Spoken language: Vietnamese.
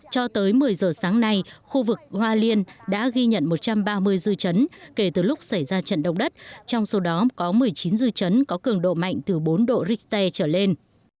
cho tới một mươi giờ sáng nay khu vực hoa liên đã ghi nhận một trăm ba mươi dư chấn kể từ lúc xảy ra trận động đất trong số đó có một mươi chín dư chấn có cường độ mạnh từ bốn độ richter trở lên